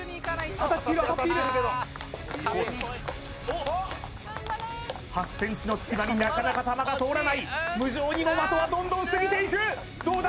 壁に８ｃｍの隙間になかなか球が通らない無情にも的はどんどん過ぎていくどうだ？